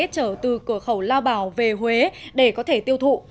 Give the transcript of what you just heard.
chở từ cửa khẩu lao bảo về huế để có thể tiêu thụ